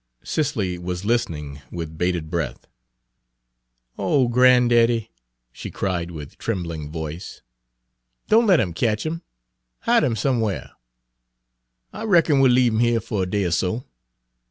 Cicely was listening with bated breath. "Oh, gran'daddy," she cried with trembling voice, "don' let 'em ketch 'im! Hide 'im somewhar." "I reckon we'll leave 'im yere fer a day er so.